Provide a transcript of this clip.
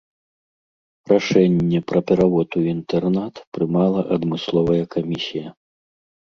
Рашэнне пра перавод у інтэрнат прымала адмысловая камісія.